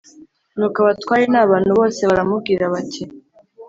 Nuko abatware n abantu bose baramubwira bati